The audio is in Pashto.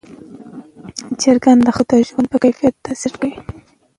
چرګان د خلکو د ژوند په کیفیت تاثیر کوي.